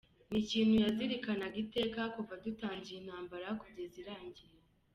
Ni ikintu yazirikanaga iteka kuva dutangiye intambara kugeza irangiye.